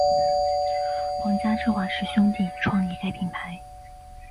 皇家芝华士兄弟创立该品牌。